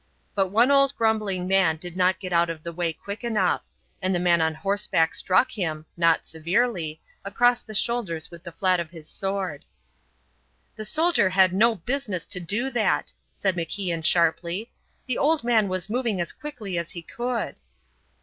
But one old grumbling man did not get out of the way quick enough, and the man on horseback struck him, not severely, across the shoulders with the flat of his sword. "The soldier had no business to do that," said MacIan, sharply. "The old man was moving as quickly as he could."